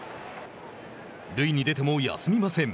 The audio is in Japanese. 塁に出ても休みません。